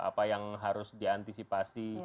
apa yang harus diantisipasi